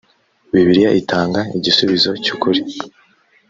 bibiliya itanga igisubizo cy’ukuri